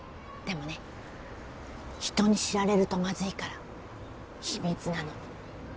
でもね人に知られるとまずいから秘密なの。